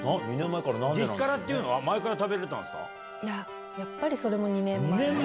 激辛っていうのは前から食べいや、やっぱりそれも２年前。